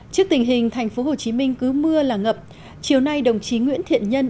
trước tình hình thành phố hồ chí minh cứ mưa là ngập chiều nay đồng chí nguyễn thiện nhân